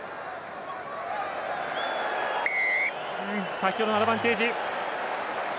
先ほどのアドバンテージ。